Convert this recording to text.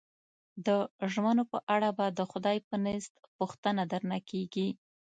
د ژمنو په اړه به د خدای په نزد پوښتنه درنه کېږي.